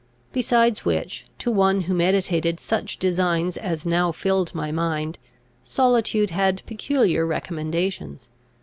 Besides which, to one who meditated such designs as now filled my mind, solitude had peculiar recommendations.